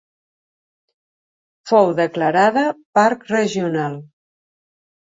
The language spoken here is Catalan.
Fou declarada parc regional.